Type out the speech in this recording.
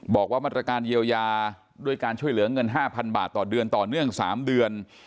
บอกว่ามาตรการเยียวยาด้วยการช่วยเหลือเงิน๕๐๐บาทต่อเดือนต่อเนื่อง๓เดือน